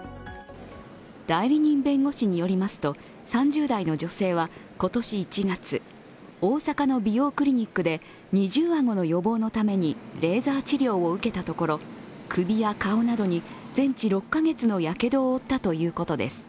代理人弁護士によりますと、３０代の女性は今年１月、大阪の美容クリニックで二重顎の予防のためにレーザー治療を受けたところ、首や顔などに全治６カ月のやけどを負ったということです。